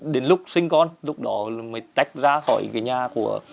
đến lúc sinh con lúc đó mới tách ra khỏi cái nhà của